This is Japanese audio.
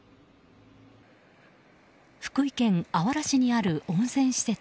福井県あわら市にある温泉施設